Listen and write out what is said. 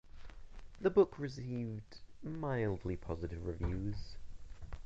The book received mildly positive reviews.